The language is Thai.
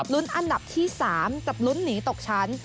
รุ้นอันดับที่๓กับลุ้นหนีตกชั้น